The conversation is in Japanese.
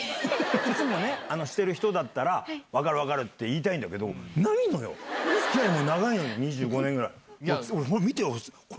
いつもね、してる人だったら、分かる分かるって言いたいんだけど、ないのよ、つきあい長いのに、２５年ぐらい。